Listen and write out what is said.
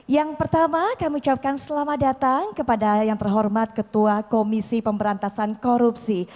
yang pertama kami ucapkan selamat datang kepada yang terhormat ketua komisi pemberantasan korupsi